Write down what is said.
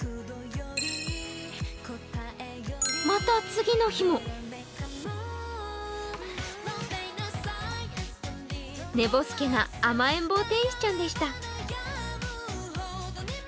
次の日も寝ぼすけな甘えん坊天使ちゃんでした。